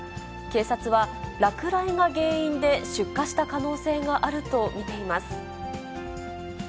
警察は、落雷が原因で出火した可能性があると見ています。